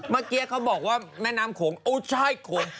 เมื่อกี้เขาบอกว่าแม่น้ำโขงโอ้ใช่โขง